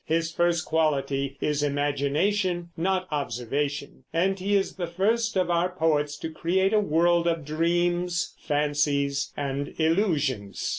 His first quality is imagination, not observation, and he is the first of our poets to create a world of dreams, fancies, and illusions.